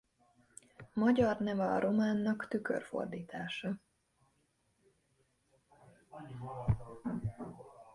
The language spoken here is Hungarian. Magyar neve a románnak tükörfordítása.